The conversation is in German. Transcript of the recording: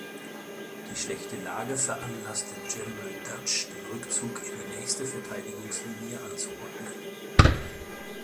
Die schlechte Lage veranlasste General Duch den Rückzug in die nächste Verteidigungslinie anzuordnen.